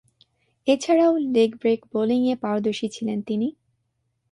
এছাড়াও, leg break বোলিংয়ে পারদর্শী ছিলেন তিনি।